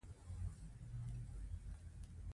هغې د پاک باغ په اړه خوږه موسکا هم وکړه.